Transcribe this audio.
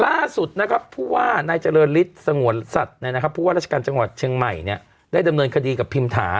ล่าสุดนะครับผู้ว่านายเจริญฤทธิ์สงวนสัตว์ผู้ว่าราชการจังหวัดเชียงใหม่ได้ดำเนินคดีกับพิมถา